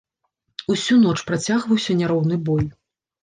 Усю ноч працягваўся няроўны бой.